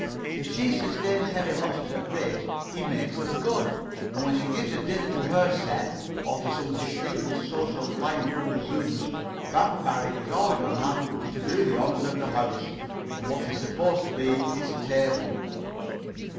If she sustains heavy losses at bridge, he makes them good, and when she gives a dinner to her set, or to some distinguished social lion from other zoos, Van Varick is always on hand to do the honors of his house, and what is supposed to be his table.